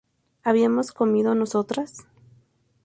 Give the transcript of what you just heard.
¿habíamos comido nosotras?